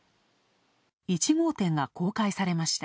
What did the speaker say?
１号店が公開されました。